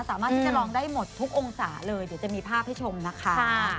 สามารถที่จะลองได้หมดทุกองศาเลยเดี๋ยวจะมีภาพให้ชมนะคะ